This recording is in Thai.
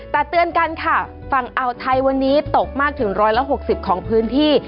แต่เตือนกันค่ะฝั่งอ่าวไทยวันนี้ตกมากถึง๑๖๐ของพื้นที่